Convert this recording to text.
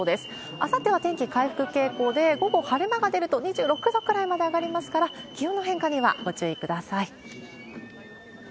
あさっては天気回復傾向で、午後、晴れ間が出ると、２６度ぐらいまで上がりますから、気温の変化にはご注意ください。